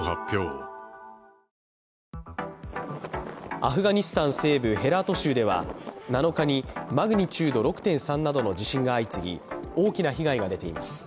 アフガニスタン西部ヘラート州では７日にマグニチュード６．３などの地震が相次ぎ大きな被害が出ています。